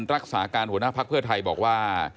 รักษาการหัวหน้าภักดิ์เพื่อไทยบอกว่า